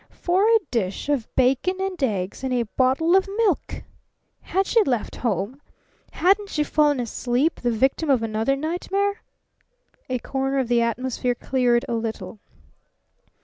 For a dish of bacon and eggs and a bottle of milk! Had she left home? Hadn't she fallen asleep, the victim of another nightmare? A corner of the atmosphere cleared a little.